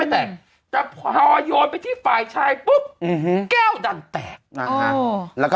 แต่พอโยนไปที่ฝ่ายชายปุ๊บแก้วดันแตก